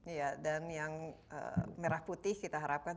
iya dan yang merah putih kita harapkan